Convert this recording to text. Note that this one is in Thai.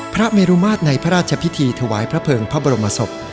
พระเมรุมาตรในพระราชพิธีถวายพระเภิงพระบรมศพ